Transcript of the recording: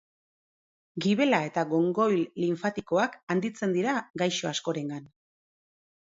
Gibela eta gongoil linfatikoak handitzen dira gaixo askorengan.